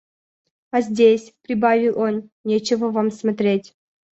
«А здесь, – прибавил он, – нечего вам смотреть».